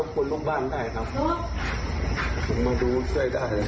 ขอร้องการตามแห่งเก่าขอโทษ